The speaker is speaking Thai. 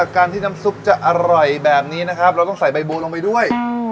การที่น้ำซุปจะอร่อยแบบนี้นะครับเราต้องใส่ใบบัวลงไปด้วย